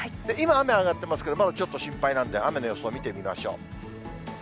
今、雨上がってますけど、まだちょっと心配なんで、雨の予想を見てみましょう。